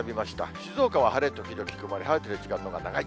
静岡は晴れ時々曇り、晴れてる時間のほうが長い。